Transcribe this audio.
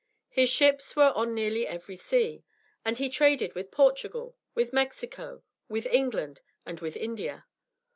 His ships were on nearly every sea, and he traded with Portugal, with Mexico, with England, and with India.